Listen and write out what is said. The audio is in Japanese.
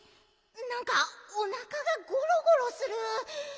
なんかおなかがゴロゴロする。